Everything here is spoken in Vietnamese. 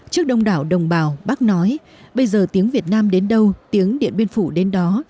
trước đông đảo đồng bào bác nói bây giờ tiếng việt nam đến đâu tiếng điện biên phủ đến đó